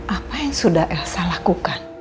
apa yang sudah elsa lakukan